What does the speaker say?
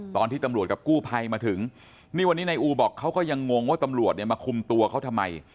ตอนที่ตำรวจกับกู้ภัยมาถึงนี่วันนี้นายอูบอกเขาก็ยังงงว่าตำรวจเนี่ยมาคุมตัวเขาทำไม